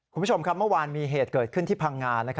คุณผู้ชมครับเมื่อวานมีเหตุเกิดขึ้นที่พังงา